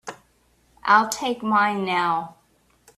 I'll take mine now.